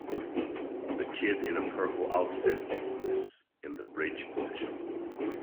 A kid in a purple outfit is in the bridge position .